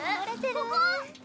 ここ？